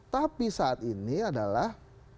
tapi saat ini adalah